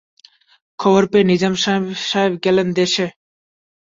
খবর পেয়ে নিজাম সাহেব গেলেন দেশে।